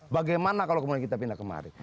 bagaimana kalau kita pindah kemarin